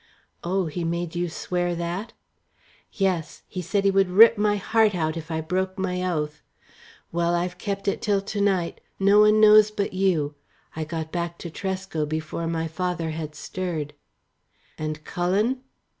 "Oh, he made you swear that?" "Yes, he said he would rip my heart out if I broke my oath. Well, I've kept it till to night. No one knows but you. I got back to Tresco before my father had stirred." "And Cullen?"